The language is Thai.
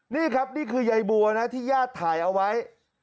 นี่ครับนี่คือยายบัวนะที่ญาติถ่ายเอาไว้